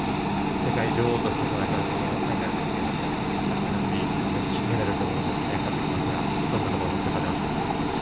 世界女王として戦うファイナルですけど明日のフリー、当然金メダルの期待もかかってきますがどんなところ目標に立てますか？